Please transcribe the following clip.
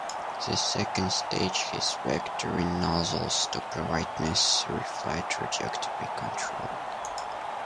The second stage has vectoring nozzles, to provide necessary flight trajectory control.